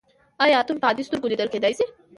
ایا اتوم په عادي سترګو لیدل کیدی شي.